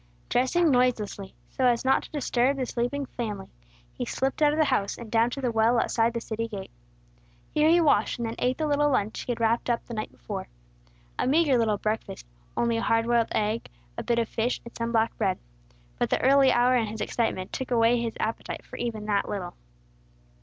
Dressing noiselessly, so as not to disturb the sleeping family, he slipped out of the house and down to the well outside the city gate. Here he washed, and then ate the little lunch he had wrapped up the night before. A meagre little breakfast, only a hard boiled egg, a bit of fish, and some black bread. But the early hour and his excitement took away his appetite for even that little.